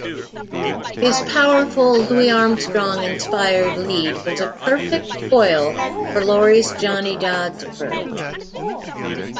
His powerful, Louis Armstrong-inspired lead was a perfect foil for Laurie's Johnny Dodds approach.